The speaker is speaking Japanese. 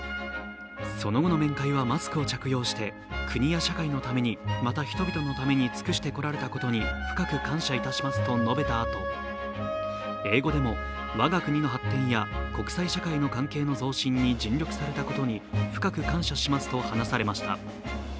その後の面会はマスクを着用して国や社会のためにまた人々のために尽くしてこられたことに深く感謝いたしますと述べたあと、英語でも我が国の発展や国際社会の関係の増進に尽力されたことに深く感謝しますと話されました。